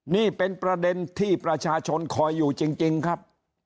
นี่เป็นประเด็นที่ประชาชนคอยอยู่จริงครับ